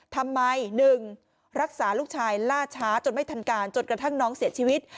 ทำไม๑รักษาลูกชายล่าช้าจนไม่ทันการจนกระทั่งน้องเสียชีวิต